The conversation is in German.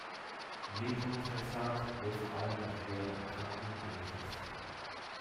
Methotrexat wird vor allem bei schweren Erkrankungen eingesetzt.